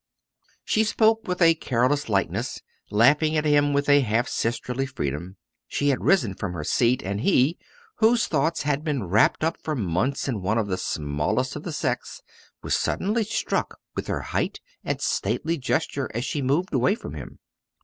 She spoke with a careless lightness, laughing at him with a half sisterly freedom. She had risen from her seat, and he, whose thoughts had been wrapped up for months in one of the smallest of the sex, was suddenly struck with her height and stately gesture as she moved away from him.